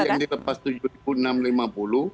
yang dilepas rp tujuh enam ratus lima puluh